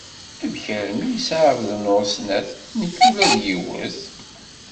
Amek armi yesɛa Ɛebdennur snat, nekk ula d yiwet?